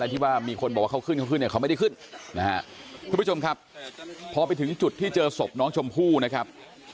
ที่ว่ามีคนบอกว่าเขาขึ้นเขาขึ้นเนี่ยเขาไม่ได้ขึ้นนะฮะทุกผู้ชมครับพอไปถึงจุดที่เจอศพน้องชมพู่นะครับ